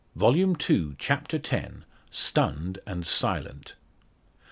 Volume Two, Chapter X. STUNNED AND SILENT.